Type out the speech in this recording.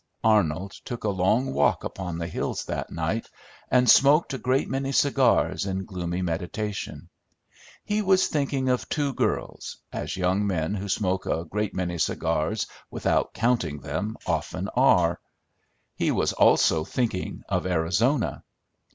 Arnold took a long walk upon the hills that night, and smoked a great many cigars in gloomy meditation. He was thinking of two girls, as young men who smoke a great many cigars without counting them often are; he was also thinking of Arizona.